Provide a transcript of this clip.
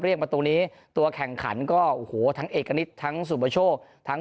เรียกมาตัวนี้ตัวแข่งขันก็โอ้โหทั้งเอกนิตทั้งสุโบโชทั้ง